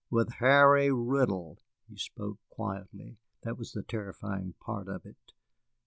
"With Harry Riddle." He spoke quietly, that was the terrifying part of it.